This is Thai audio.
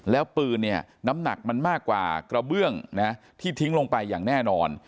แล้วปืนเนี่ยน้ำหนักมันมากกว่ากระเบื้องนะที่ทิ้งลงไปอย่างแน่นอน